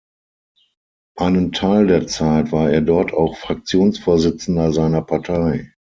Einen Teil der Zeit war er dort auch Fraktionsvorsitzender seiner Partei.